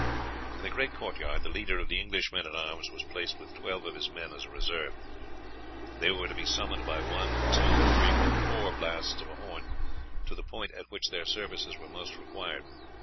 In the great court yard the leader of the English men at arms was placed with twelve of his men as a reserve. They were to be summoned by one, two, three, or four blasts of a horn to the point at which their services were most required.